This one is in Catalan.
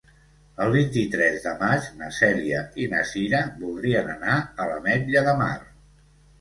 El vint-i-tres de maig na Cèlia i na Cira voldrien anar a l'Ametlla de Mar.